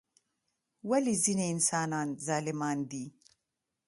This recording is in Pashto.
ولی ځینی انسانان ظالمان دي؟